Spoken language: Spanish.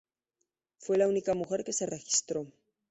Fue la única mujer que se registró..